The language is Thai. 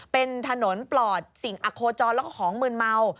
เป็นถนนปลอดสิ่งอโคจรแล้วก็ของมืนเมา